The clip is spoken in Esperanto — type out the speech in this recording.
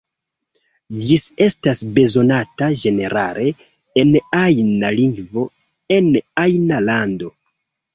Ĝi estas bezonata ĝenerale, en ajna lingvo, en ajna lando.